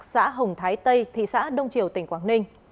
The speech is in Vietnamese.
xã hồng thái tây thị xã đông triều tỉnh quảng ninh